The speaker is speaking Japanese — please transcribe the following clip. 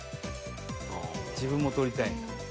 「自分も撮りたいんだ」